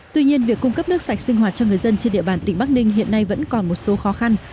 tuy nhiên việc cung cấp nước sạch sinh hoạt cho người dân trên địa bàn tỉnh bắc ninh hiện nay vẫn còn một số khó khăn